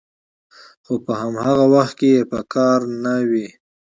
خو په هماغه وخت کې یې په کار نه وي